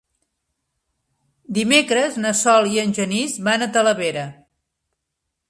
Dimecres na Sol i en Genís van a Talavera.